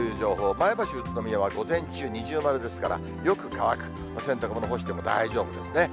前橋、宇都宮は午前中二重丸ですから、よく乾く、お洗濯物干しても大丈夫ですね。